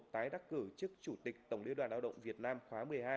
tại đắc cử chức chủ tịch tổng liêu đoàn đạo động việt nam khóa một mươi hai